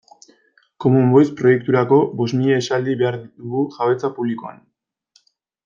Common Voice proiekturako bost mila esaldi behar dugu jabetza publikoan